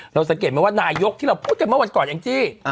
สังเกตไหมว่านายกที่เราพูดกันเมื่อวันก่อนแองจี้